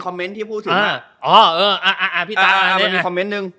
คอมเม้นท์ที่พูดถึงอ่าอ๋อเอออ่าอ่าพี่อ่าอ่ามันมีคอมเม้นท์หนึ่ง